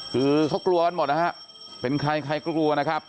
คือเขากลัวกันหมดนะฮะเป็นใครใครก็กลัวนะครับ